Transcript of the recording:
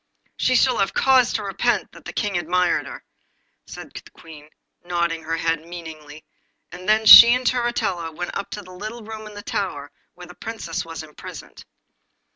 'She shall have cause to repent that the King admires her,' said the Queen, nodding her head meaningly, and then she and Turritella went up to the little room in the tower where the Princess was imprisoned.